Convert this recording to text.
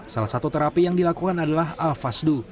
salah satu terapi yang dilakukan adalah al fasdu